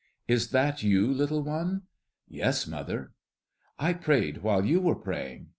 "Is that you, little one?" "Yes, mother." "I prayed while you were praying.